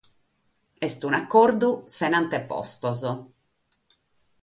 Est un'acordu sena antepostos.